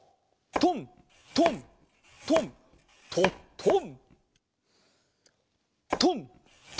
トントントントトン。